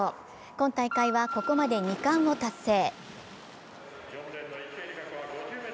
今大会は、ここまで２冠を達成。